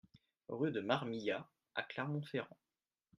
Rue de Marmillat à Clermont-Ferrand